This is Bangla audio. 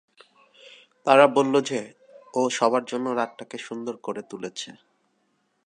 তারা বললো যে, ও সবার জন্য রাতটাকে সুন্দর করে তুলেছে।